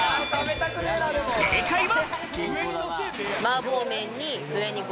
正解は。